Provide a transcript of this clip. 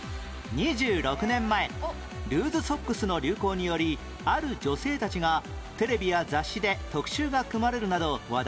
２６年前ルーズソックスの流行によりある女性たちがテレビや雑誌で特集が組まれるなど話題に